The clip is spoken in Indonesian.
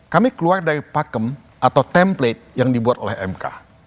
kami keluar dari pakem atau template yang dibuat oleh mk